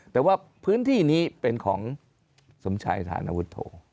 แต่ว่าพื้นที่นี้เป็นของสมชัยฐานวุฒโธ